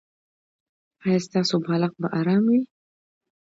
ایا ستاسو بالښت به ارام وي؟